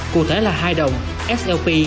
cụ thể là hai đồng slp